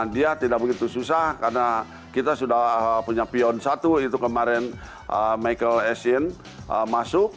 dia tidak begitu susah karena kita sudah punya pion satu itu kemarin michael essien masuk